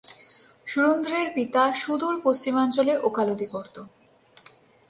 সুরুন্দ্রের পিতা সুদূর পশ্চিমাঞ্চলে ওকালতি করত।